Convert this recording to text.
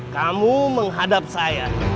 kamu menghadap saya